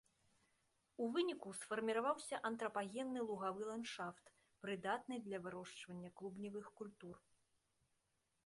У выніку сфарміраваўся антрапагенны лугавы ландшафт, прыдатны для вырошчвання клубневых культур.